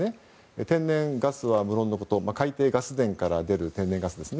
天然ガスは無論のこと海底ガス田から出る天然ガスですね。